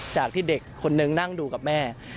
จากที่เด็กคนนึงนั่งดูกับแม่